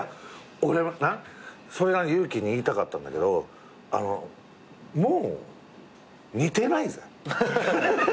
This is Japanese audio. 俺はな友貴に言いたかったんだけどもう似てないぜ。